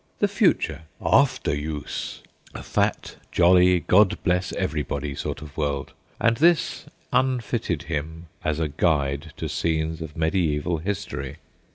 The Future ("After Use") a fat, jolly, God bless everybody sort of world; and this unfitted him as a guide to scenes of mediaeval history.